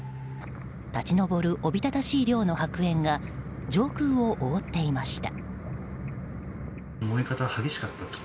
立ち上るおびただしい量の白煙が上空を覆っていました。